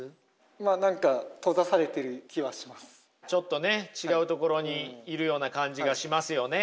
まあ何かちょっとね違うところにいるような感じがしますよね。